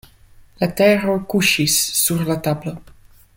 Letero kuŝis sur la tablo.